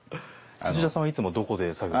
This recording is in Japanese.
土田さんはいつもどこで作業を？